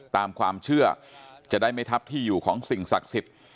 ตามความเชื่อจะได้ไม่ทับที่อยู่ของสิ่งศักดิ์สิทธิ์